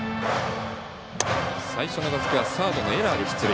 最初の打席はサードのエラーで出塁。